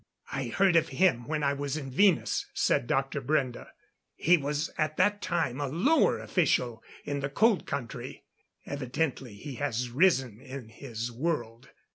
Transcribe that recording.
"I heard of him when I was in Venus," said Dr. Brende. "He was at that time a lower official in the Cold Country. Evidently he has risen in his world.